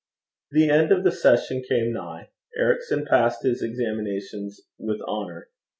The end of the session came nigh. Ericson passed his examinations with honour.